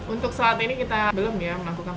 untuk saat ini kita belum ya melakukan